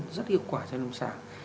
rất hiệu quả cho lâm sàng